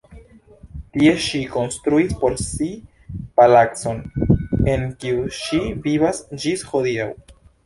Tie ŝi konstruis por si palacon, en kiu ŝi vivas ĝis hodiaŭ.